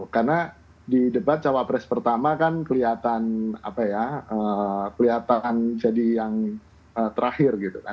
karena di debat cawa pres pertama kan kelihatan jadi yang terakhir